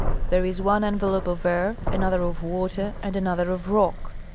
There is one envelope of air, another of water, and another of rock.